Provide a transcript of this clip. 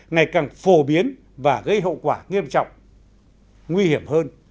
ngày càng phổ biến và gây hậu quả nghiêm trọng nguy hiểm hơn